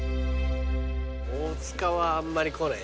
大塚はあんまり来ないですね。